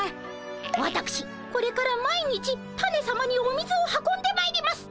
わたくしこれから毎日タネさまにお水を運んでまいります。